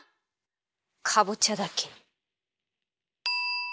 かぼちゃだけに！